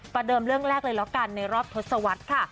ประเดิมเรื่องแรกเลยละกันในรอบทศวรรษค่ะ